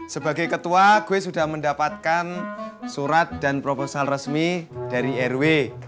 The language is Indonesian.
sebagai ketua gue sudah mendapatkan surat dan proposal resmi dari rw